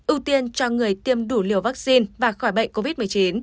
ưu tiên cho người tiêm đủ liều vaccine và khỏi bệnh covid một mươi chín